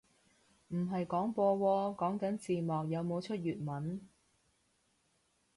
唔係廣播喎，講緊字幕有冇出粵文